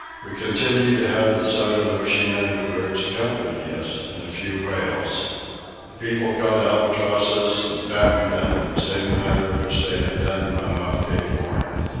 We continued to have the southern oceanic birds accompany us and a few whales. The people caught albatrosses and fattened them in the same manner which they had done when off Cape Horn.